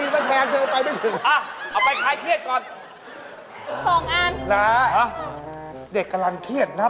ผัวหนูผิดเขา